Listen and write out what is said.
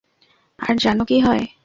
আর জানো কী হয়?